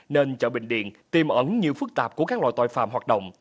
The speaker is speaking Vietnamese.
nên chợ bình điền tiềm ẩn nhiều phức tạp của các loại tội phạm hoạt động